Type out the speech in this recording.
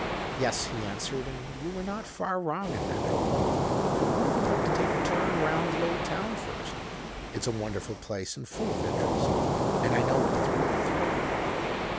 "'Yes,' he answered, 'and you were not far wrong in that. But wouldn't you like to take a turn round the old town first? It's a wonderful place and full of interest. And I know it through and through.'